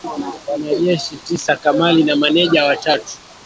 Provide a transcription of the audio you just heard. Wanajeshi tisa kanali na mameja watatu